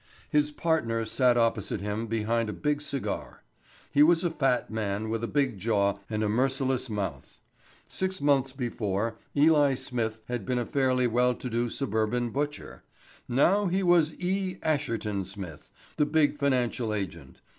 His partner sat opposite him behind a big cigar. He was a fat man with a big jaw and a merciless mouth. Six months before Eli Smith had been a fairly well to do suburban butcher. Now he was E. Asherton Smith, the big financial agent.